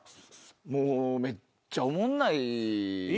もうめっちゃおもんないで。